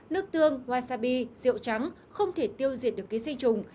nước tương wasabi rượu trắng không thể tiêu diệt được ký sinh chủng